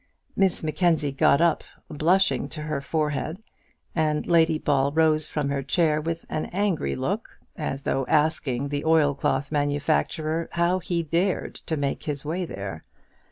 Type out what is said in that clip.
Miss Mackenzie got up, blushing to her forehead, and Lady Ball rose from her chair with an angry look, as though asking the oilcloth manufacturer how he dared to make his way in there.